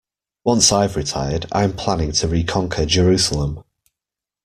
Once I've retired, I'm planning to reconquer Jerusalem.